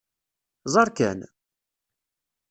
Ẓer kan!